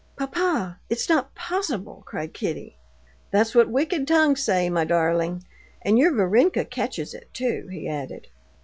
"Papa, it's not possible!" cried Kitty. "That's what wicked tongues say, my darling. And your Varenka catches it too," he added.